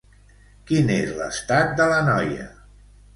Quin és l'estat de la noia?